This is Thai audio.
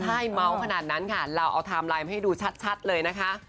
ถ้าให้เม้าขนาดนั้นเราเอาทำไลน์ให้ดูชัดเลยนะคะ